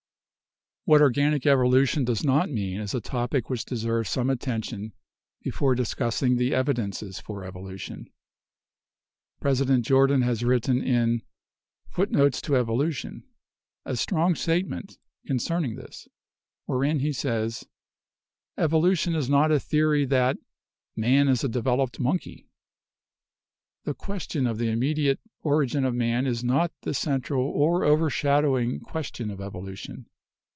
What organic evolution does not mean is a topic which deserves some attention before discussing the evidences for evolution. President Jordan has written in 'Foot Notes to Evolution' a strong statement concerning this, wherein he says : "Evolution is not a theory that 'man is a de veloped monkey." The question of the immediate origin of man is not the central or overshadowing question of evolution.